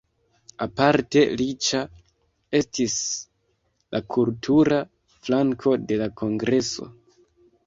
Aparte riĉa estis la kultura flanko de la kongreso.